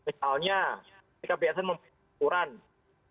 misalnya ketika bssn memiliki kekurangan